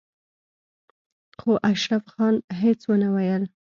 خو اشرف خان هېڅ ونه ويل.